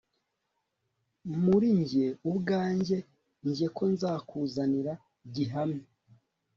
muri njye ubwanjye njye ko nzakuzanira gihamya